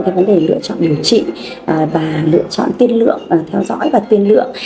cái vấn đề lựa chọn điều trị và lựa chọn tiên lượng theo dõi và tiên lượng